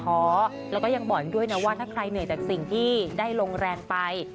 ้อแล้วก็ยังบอกอีกด้วยนะว่าถ้าใครเหนื่อยจากสิ่งที่ได้ลงแรงไป